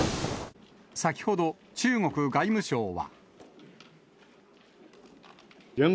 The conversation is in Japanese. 先ほど中国外務省は。